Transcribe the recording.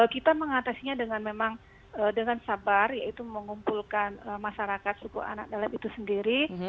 kita mengatasinya dengan memang dengan sabar yaitu mengumpulkan masyarakat suku anak dalam itu sendiri